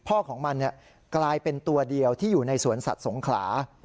ของมันกลายเป็นตัวเดียวที่อยู่ในสวนสัตว์สงขลา